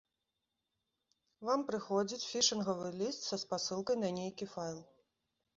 Вам прыходзіць фішынгавы ліст са спасылкай на нейкі файл.